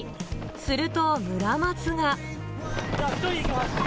すると、村松が。